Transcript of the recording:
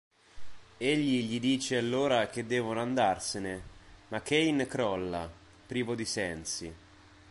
Egli gli dice allora che devono andarsene, ma Kane crolla, privo di sensi.